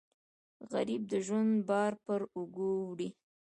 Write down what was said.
غریب د ژوند بار پر اوږو وړي